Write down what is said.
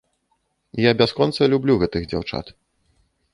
Я бясконца люблю гэтых дзяўчат.